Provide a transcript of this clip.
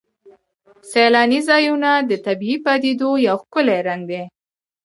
سیلاني ځایونه د طبیعي پدیدو یو ښکلی رنګ دی.